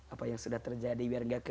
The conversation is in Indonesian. apa yang sudah terjadi